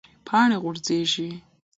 پاڼې غورځیږي